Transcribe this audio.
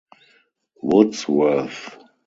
Woodsworth.